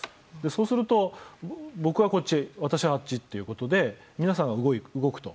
そうすると、僕はあっち私はあっちということで皆さん、動くと。